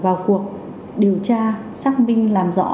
vào cuộc điều tra xác minh làm rõ